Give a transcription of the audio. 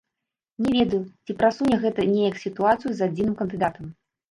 Не ведаю, ці прасуне гэта неяк сітуацыю з адзіным кандыдатам.